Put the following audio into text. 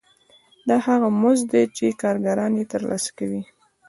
دا هغه مزد دی چې کارګران یې ترلاسه کوي